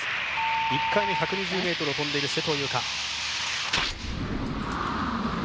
１回目、１２０ｍを飛んでいる勢藤優花。